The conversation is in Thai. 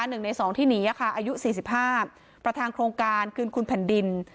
หนึ่งในสองที่หนีอายุ๔๕ประธานโครงการคืนคุณแผ่นดิน